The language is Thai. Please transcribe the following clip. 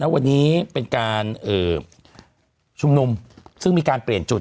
วันนี้เป็นการชุมนุมซึ่งมีการเปลี่ยนจุด